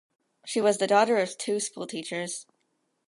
She was the daughter of two schoolteachers.